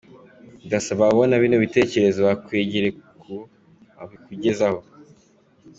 Ndasaba ababona bino bitecyerezo bakwegereye ko babikugezaho.